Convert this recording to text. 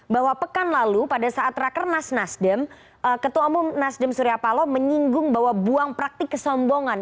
bahwa pekan lalu pada saat rakernas nasdem ketua umum nasdem surya paloh menyinggung bahwa buang praktik kesombongan